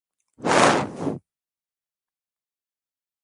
Katika msitu wa Jozani imetanda katika sehemu ya msitu wa nyevunyevu